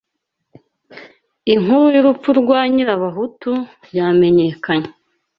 Inkuru y’urupfu rwa Nyirabahutu yamenyekanye